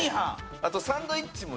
あとサンドイッチも。